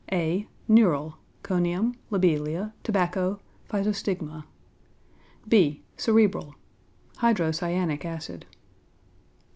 (a) Neural conium, lobelia, tobacco, physostigma. (b) Cerebral hydrocyanic acid.